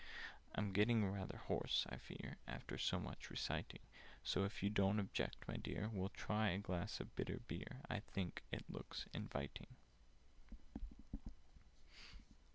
"I'm getting rather hoarse, I fear, After so much reciting: So, if you don't object, my dear, We'll try a glass of bitter beer— I think it looks inviting."